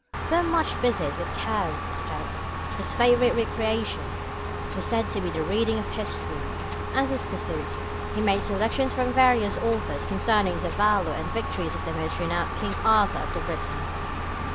Though much busied with cares of state, his favourite recreation was said to be the reading of history, and in this pursuit 'he made selections from various authors concerning the valour and the victories of the most renowned King Arthur of the Britons.'